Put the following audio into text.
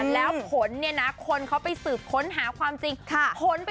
แล้วผลเนี่ยนะคนเขาไปสืบค้นหาความจริง